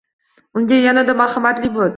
Unga yanada marhamatli bo'l